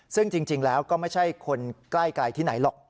ซึ่งจริงแล้วก็ไม่ใช่คนใกล้ที่ไหนหรอก